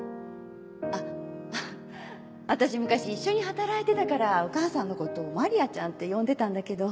あっ私昔一緒に働いてたからお母さんのこと「マリアちゃん」って呼んでたんだけど。